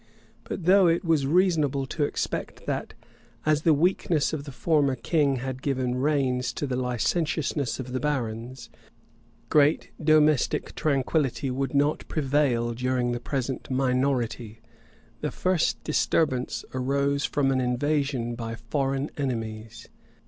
But though it was reasonable to expect that, as the weakness of the former king had given reins to the licentiousness of the barons, great domestic tranquillity would not prevail during the present minority; the first disturbance arose from an invasion by foreign enemies.